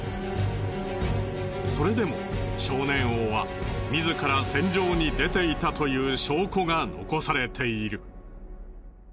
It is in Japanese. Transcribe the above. それでも少年王は自ら戦場に出ていたという証拠が残されている。